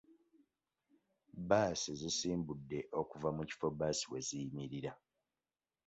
Bbaasi zisimbudde okuva mu kifo bbaasi we ziyimirira .